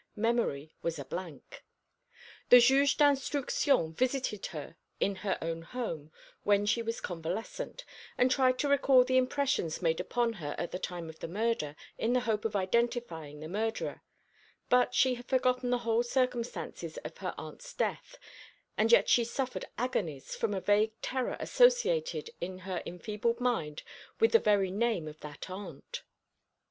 Memory was a blank. The Juge d'Instruction visited her in her own home when she was convalescent, and tried to recall the impressions made upon her at the time of the murder, in the hope of identifying the murderer; but she had forgotten the whole circumstances of her aunt's death, and yet she suffered agonies from a vague terror associated in her enfeebled mind with the very name of that aunt.